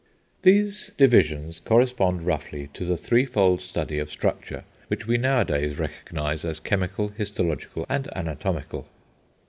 These divisions correspond roughly to the threefold study of structure which we nowadays recognize as chemical, histological, and anatomical.